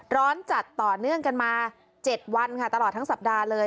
ร้อนจัดต่อเนื่องกันมา๗วันค่ะตลอดทั้งสัปดาห์เลย